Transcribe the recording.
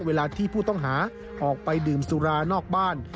เวลาที่ผู้ต้องหาออกไปดื่มสุรานอกบ้าน